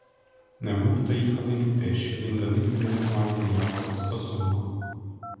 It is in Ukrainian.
Немов то їхали люди, що він до них не має ніякого стосунку.